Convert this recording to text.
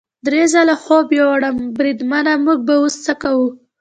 درې ځله خوب یووړم، بریدمنه موږ به اوس څه کوو؟